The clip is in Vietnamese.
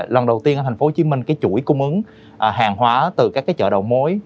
lần đầu tiên ở thành phố hồ chí minh cái chuỗi cung ứng hàng hóa từ các chợ đầu mối